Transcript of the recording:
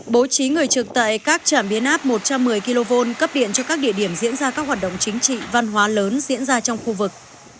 bố trí người trực tại các trảm biến áp một trăm một mươi kv cấp điện cho các địa điểm diễn ra các hoạt động chính trị văn hóa lớn diễn ra trong khu vực